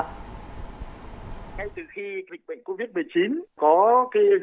ngay từ khi lịch bệnh covid một mươi chín